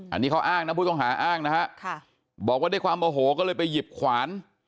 อันนี้เขาอ้างนะผู้ต้องหาอ้างนะฮะบอกว่าด้วยความโอโหก็เลยไปหยิบขวาน